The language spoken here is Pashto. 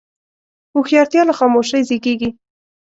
هوښیارتیا له خاموشۍ زیږېږي.